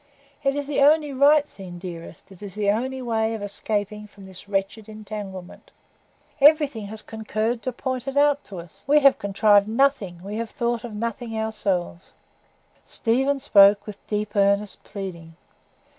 It is the only right thing, dearest; it is the only way of escaping from this wretched entanglement. Everything has concurred to point it out to us. We have contrived nothing, we have thought of nothing ourselves." Stephen spoke with deep, earnest pleading.